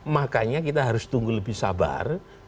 makanya kita harus tunggu lebih sabar